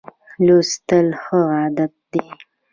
لوستل ښه عادت دی.